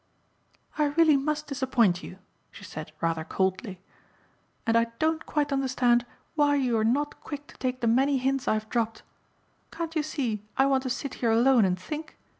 "I really must disappoint you," she said rather coldly, "and I don't quite understand why you are not quick to take the many hints I have dropped. Can't you see I want to sit here alone and think?